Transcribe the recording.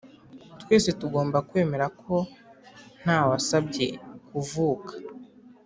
twese tugomba kwemera ko ntawasabye kuvuka